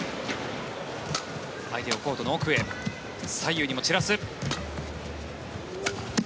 相手をコートの奥へ左右へも散らす。